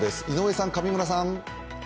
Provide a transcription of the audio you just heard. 井上さん、上村さん。